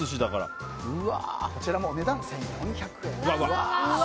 こちらもお値段１４００円です。